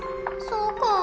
そうか。